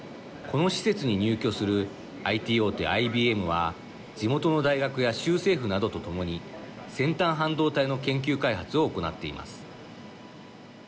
この施設に入居するＩＴ大手、ＩＢＭは地元の大学や州政府などと共に先端半導体の研究開発を行っています。